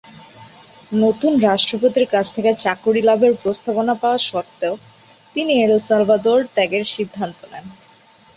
নতুন রাষ্ট্রপতির কাছ থেকে চাকুরী লাভের প্রস্তাবনা পাওয়া স্বত্বেও তিনি এল সালভাদর ত্যাগের সিদ্ধান্ত নেন।